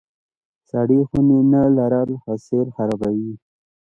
سړې خونې نه لرل حاصل خرابوي.